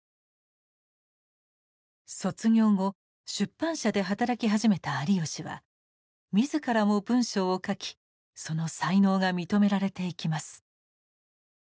卒業後出版社で働き始めた有吉は自らも文章を書きその才能が認められていきます。